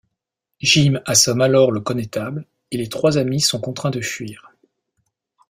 Jim assomme alors le connétable, et les trois amis sont contraints de fuir.